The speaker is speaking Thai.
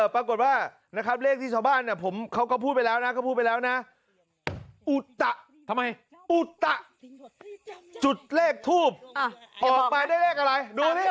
ปรากฏว่าเลขที่ชาวบ้านเขาก็พูดไปแล้วนะอุตะจุดเลขทูบออกมาได้เลขอะไร